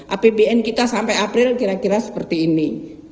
apbn kita sampai april kira kira seperti ini